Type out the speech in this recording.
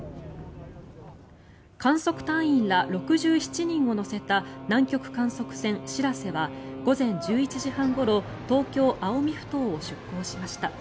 観測隊員ら６７人を乗せた南極観測船「しらせ」は午前１１時半ごろ東京・青海ふ頭を出港しました。